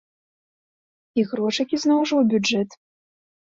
І грошыкі, зноў жа, у бюджэт.